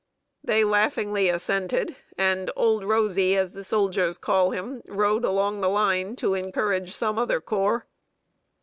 They laughingly assented, and "Old Rosy," as the soldiers call him, rode along the line, to encourage some other corps.